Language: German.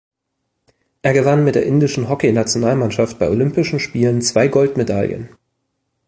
Er gewann mit der indischen Hockeynationalmannschaft bei Olympischen Spielen zwei Goldmedaillen.